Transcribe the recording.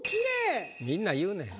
みんな言うねん。